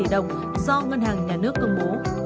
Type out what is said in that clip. do ngân hàng nhà nước công bố